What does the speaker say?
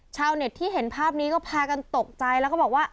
ชาวเน็ตที่เห็นภาพนี้ก็พากันตกใจแล้วก็บอกว่า